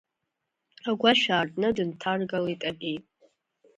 Агәашә аартны дынҭаргалеит ари.